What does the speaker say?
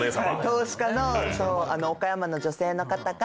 投資家の岡山の女性の方が。